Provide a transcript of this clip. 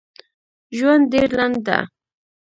ژوند ډېر لنډ ده